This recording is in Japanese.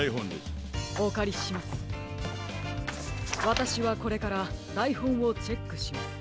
わたしはこれからだいほんをチェックします。